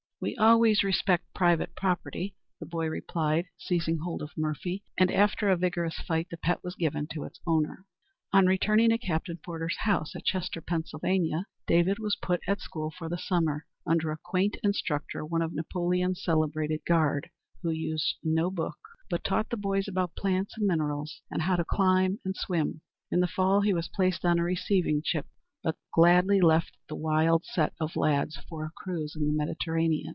"We always respect private property," the boy replied, seizing hold of "Murphy"; and after a vigorous fight, the pet was given to its owner. On returning to Captain Porter's house at Chester, Pa., David was put at school for the summer, under a quaint instructor, one of Napoleon's celebrated Guard, who used no book, but taught the boys about plants and minerals, and how to climb and swim. In the fall he was placed on a receiving ship, but gladly left the wild set of lads for a cruise in the Mediterranean.